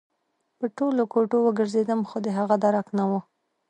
په ټولو کوټو وګرځېدم خو د هغه درک نه و